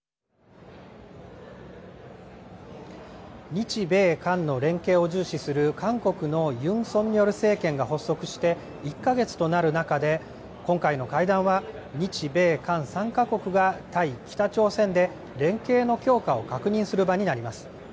日米韓の連携を重視する韓国のユン・ソンニョル政権が発足して１か月となる中で今回の会談は、日米韓３か国が対北朝鮮で連携の強化を確認する場になります。